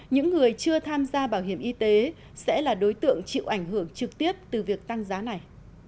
những người chưa tham gia bảo hiểm y tế sẽ là đối tượng chịu ảnh hưởng trực tiếp từ việc tăng giá này